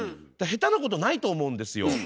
だから下手なことないと思うんですよ。